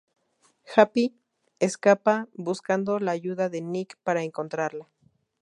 Happy escapa buscando la ayuda de Nick para encontrarla.